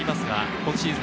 今シーズン